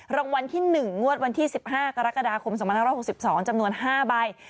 รางวัลที่๑งวดวันที่๑๕กรกฎาคม๒๕๖๒จำนวน๕ใบ